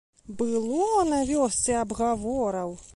Было на вёсцы абгавораў!